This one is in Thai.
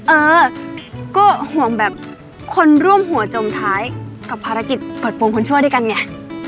เออก็ห่วงแบบคนร่วมหัวจมท้ายกับภารกิจเปิดโปรงคนชั่วด้วยกันไง